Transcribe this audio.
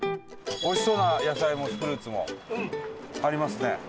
おいしそうな野菜もフルーツもありますね。